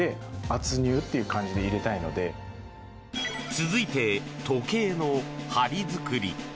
続いて、時計の針作り。